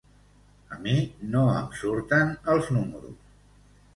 A mi, no em surten els números.